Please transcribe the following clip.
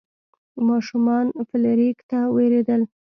ماشومان فلیریک ته ویرېدل.